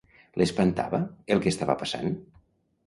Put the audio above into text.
L'espantava el que estava passant?